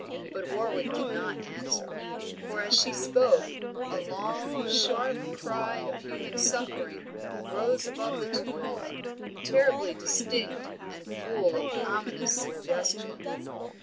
But Warwick did not answer, for as she spoke a long, sharp cry of human suffering rose above the tumult, terribly distinct and full of ominous suggestion.